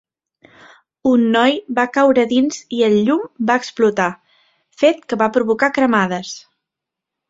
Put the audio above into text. Un noi va caure dins i el llum va explotar, fet que va provocar cremades.